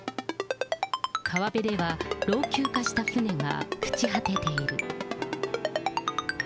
川辺では、老朽化した船が朽ち果てている。